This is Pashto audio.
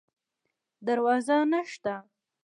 دروازه نشته